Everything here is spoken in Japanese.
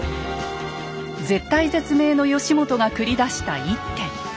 絶体絶命の義元が繰り出した一手。